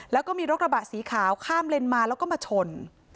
แล้วก็มีรถกระบะสีขาวข้ามเลนมาแล้วก็มาชน